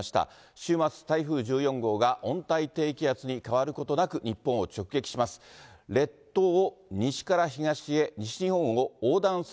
週末、台風１４号が温帯低気圧に変わることなく日本を直撃します。